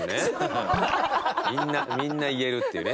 みんな言えるっていうね。